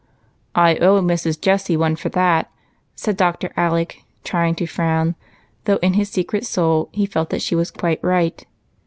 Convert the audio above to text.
"I owe Mrs. Jessie one for that," said Dr. Alec, trying to frown, though in his secret soul he felt that she was quite right.